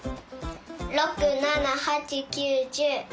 ６７８９１０。